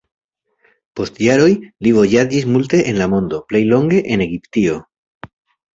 Post jaroj li vojaĝis multe en la mondo, plej longe en Egiptio.